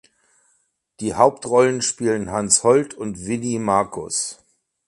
Die Hauptrollen spielen Hans Holt und Winnie Markus.